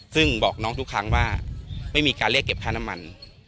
ซึ่งบอกน้องทุกครั้งว่าไม่มีการเรียกเก็บค่าน้ำมัน